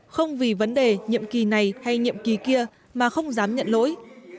không vì vấn đề nhiệm kỳ này hay nhiệm kỳ kia mà không dám nhận lỗi